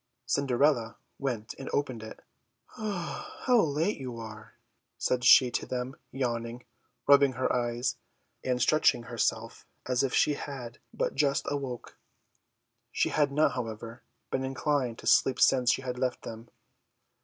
Cinderella went and opened it "How late you are!" said she to them, yawning, rubbing her eyes, and stretching herself as if she had but just awoke. She had not, however, been inclined to sleep since she had left them.